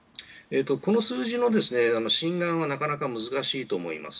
この数字の真贋はなかなか難しいと思います。